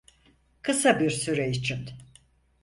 Kısa bir süre için.